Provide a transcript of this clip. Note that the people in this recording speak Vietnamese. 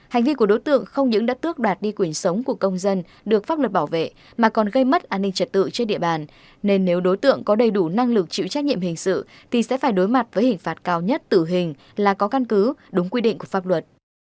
hành vi của đối tượng không những đã tước đoạt đi quyền sống của công dân được pháp luật bảo vệ mà còn gây mất an ninh trật tự trên địa bàn nên nếu đối tượng có đầy đủ năng lực chịu trách nhiệm hình sự thì sẽ phải đối mặt với hình phạt cao nhất tử hình là có căn cứ đúng quy định của pháp luật